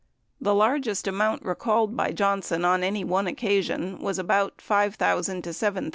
The largest amount recalled by Johnson on any one occasion was about $5,000 to $7,000.